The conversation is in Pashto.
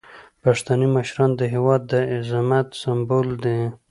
پښتني مشران د هیواد د عظمت سمبول دي.